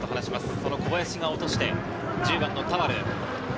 その小林が落として１０番の田原。